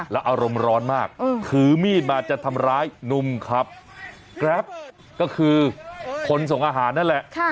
แล้วอารมณ์ร้อนมากถือมีดมาจะทำร้ายหนุ่มขับแกรปก็คือคนส่งอาหารนั่นแหละ